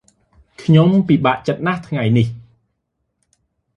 ខ្ញុំពិបាកចិត្តណាស់ថ្ងៃនេះ។